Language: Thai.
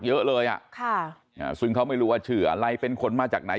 เยอะเลยอ่ะค่ะอ่าซึ่งเขาไม่รู้ว่าชื่ออะไรเป็นคนมาจากไหน